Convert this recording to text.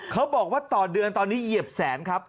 เขาบอกว่าต่อเดือนตอนนี้เหยียบแสนครับ